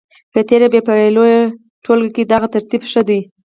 په تېره بیا په لویه ټولګه کې دغه ترتیب ښه دی.